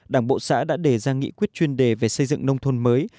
đảng bộ xã đã đề ra nghị quyết chuyên đề về xây dựng nông thôn mới